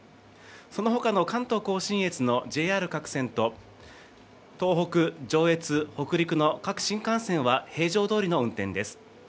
そのほかの関東甲信越のＪＲ各線と東北、上越、北陸の各新幹線は平常どおりの運転です。